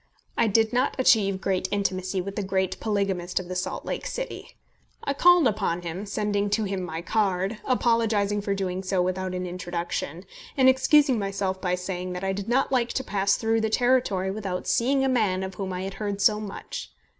I did not achieve great intimacy with the great polygamist of the Salt Lake City. I called upon him, sending to him my card, apologising for doing so without an introduction, and excusing myself by saying that I did not like to pass through the territory without seeing a man of whom I had heard so much.